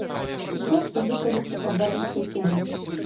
Ці проста выказацца па балючай тэме.